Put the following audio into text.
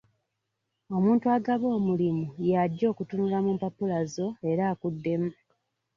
Omuntu agaba omulimu ye ajja kutunula mu mpapula zo era akuddemu.